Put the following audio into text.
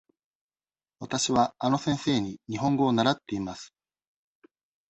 わたしはあの先生に日本語を習っています。